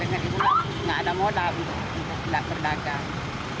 dengan ibu tidak ada modal untuk berdagang